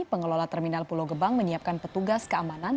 pengelola terminal pulau gebang menyiapkan petugas keamanan